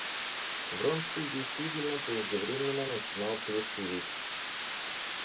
Вронский действительно преждевременно начинал плешиветь.